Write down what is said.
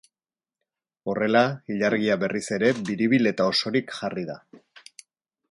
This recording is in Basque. Horrela, ilargia, berriz ere, biribil eta osorik jarri da.